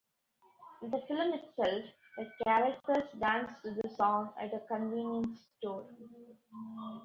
In the film itself, the characters dance to the song at a convenience store.